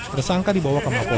tersangka dibawa ke mapol